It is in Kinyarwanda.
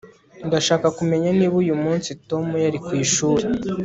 Ndashaka kumenya niba uyu munsi Tom yari ku ishuri